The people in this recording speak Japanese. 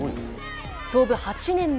創部８年目